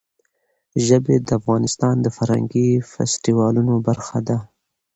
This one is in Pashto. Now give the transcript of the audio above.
ژبې د افغانستان د فرهنګي فستیوالونو برخه ده.